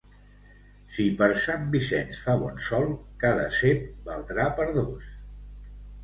Si per Sant Vicenç fa bon sol, cada cep valdrà per dos.